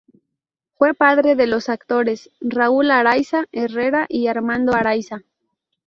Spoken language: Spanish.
Fue padre de los actores: Raúl Araiza Herrera y Armando Araiza.